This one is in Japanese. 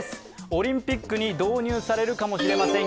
オリンピックに導入されるかもしれません。